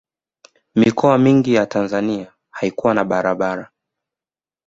mikoa mingi ya tanzania haikukuwa na barabara